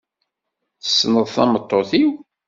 Tessneḍ tameṭṭut-iw?